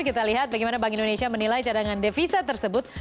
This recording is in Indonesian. kita lihat bagaimana bank indonesia menilai cadangan devisa tersebut